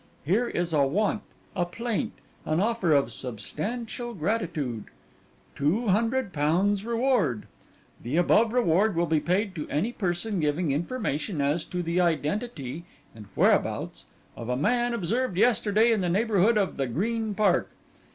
Here is a want, a plaint, an offer of substantial gratitude: "Two hundred Pounds Reward.—The above reward will be paid to any person giving information as to the identity and whereabouts of a man observed yesterday in the neighbourhood of the Green Park.